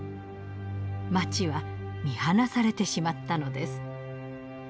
街は見放されてしまったのです。